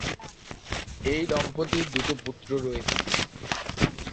এই দম্পতির দুটি পুত্র রয়েছে।